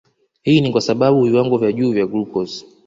Hii ni kwa sababu viwango vya juu vya glucose